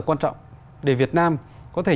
quan trọng để việt nam có thể